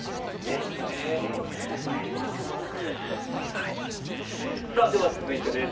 ということかもしれないです。